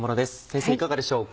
先生いかがでしょうか？